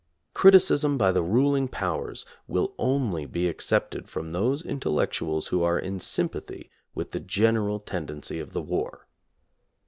Criticism by the ruling powers will only be accepted from those intellec tuals who are in sympathy with the general tend ency of the war.